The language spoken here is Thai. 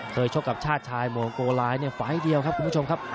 เคยชบกับชาติชายมงโกรายเนี่ยฝเดียวครับคุณผู้ชมครับ